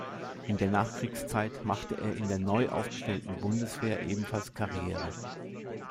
In der Nachkriegszeit machte er in der neu aufgestellten Bundeswehr ebenfalls Karriere.